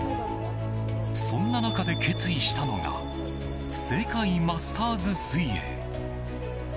そんな中で決意したのが世界マスターズ水泳。